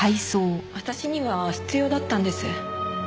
私には必要だったんです。